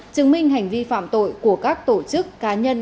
chứng minh hành vi phạm tội của các tổ chức cá nhân